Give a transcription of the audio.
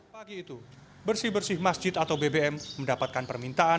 pagi itu bersih bersih masjid atau bbm mendapatkan permintaan